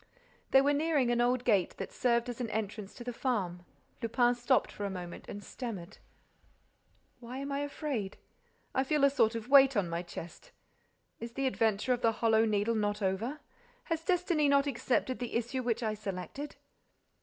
They were nearing an old gate that served as an entrance to the farm. Lupin stopped for a moment and stammered: "Why am I afraid?—I feel a sort of weight on my chest. Is the adventure of the Hollow Needle not over? Has destiny not accepted the issue which I selected?"